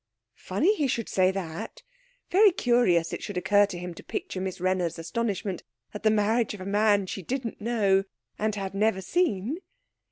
'Funny he should say that very curious it should occur to him to picture Miss Wrenner's astonishment at the marriage of a man she didn't know, and had never seen.'